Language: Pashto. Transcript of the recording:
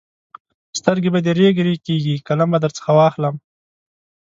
سترګې به دې رېګ رېګ کېږي؛ قلم به درڅخه واخلم.